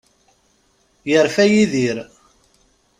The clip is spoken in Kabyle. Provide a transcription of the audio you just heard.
Yerfa Yidir.